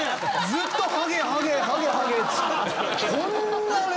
ずっとハゲハゲハゲハゲ。